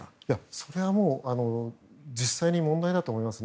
それは実際に問題だと思いますね。